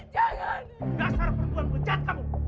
dasar perempuan meja kamu